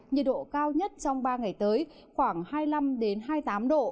nhiệt độ cao nhất trong ba ngày tới khoảng hai mươi năm hai mươi tám độ